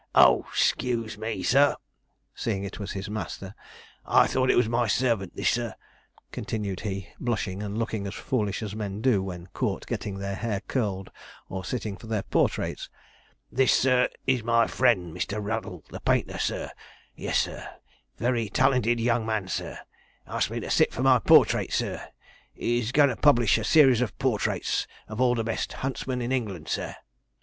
'O, sc e e use me, sir,' seeing it was his master, 'I thought it was my servant; this, sir,' continued he, blushing and looking as foolish as men do when caught getting their hair curled or sitting for their portraits, 'this, sir, is my friend, Mr. Ruddle, the painter, sir yes, sir very talented young man, sir asked me to sit for my portrait, sir is going to publish a series of portraits of all the best huntsmen in England, sir.'